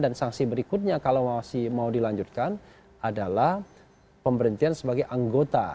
dan sanksi berikutnya kalau masih mau dilanjutkan adalah pemberhentian sebagai anggota